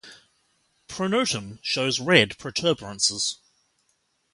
Pronotum shows red protuberances.